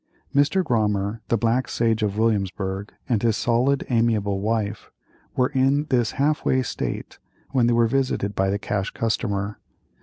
Mr. Grommer, the Black Sage of Williamsburgh, and his solid and amiable wife, were in this half way state when they were visited by the Cash Customer.